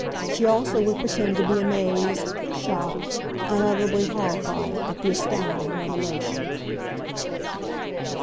She also would pretend to be amazed, shocked, unutterably horrified at the astounding revelation.